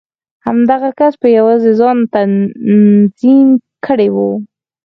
همدغه کس په يوازې ځان تنظيم کړی و.